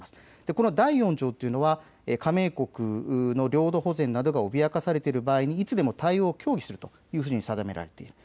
この第４条は加盟国の領土保全が脅かされている場合にいつでも対応を協議すると定められています。